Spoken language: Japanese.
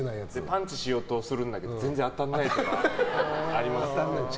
パンチしようとするんだけど全然当たらないとかありますよね。